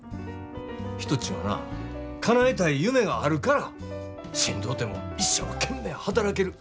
人ちゅうんはなかなえたい夢があるからしんどうても一生懸命働ける。